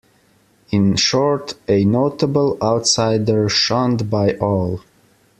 In short, a notable outsider, shunned by all.